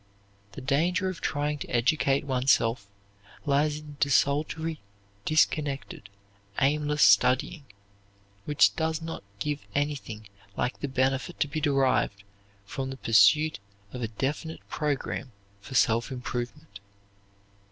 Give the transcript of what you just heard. The danger of trying to educate oneself lies in desultory, disconnected, aimless studying which does not give anything like the benefit to be derived from the pursuit of a definite program for self improvement.